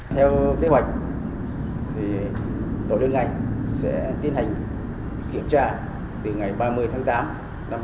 theo kế hoạch tổ liên ngành sẽ tiến hành kiểm tra từ ngày ba mươi tháng tám năm hai nghìn hai mươi